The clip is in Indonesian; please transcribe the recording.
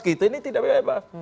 kita ini tidak bebas